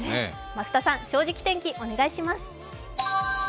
増田さん、「正直天気」お願いします。